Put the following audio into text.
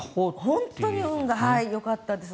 本当に運がよかったです。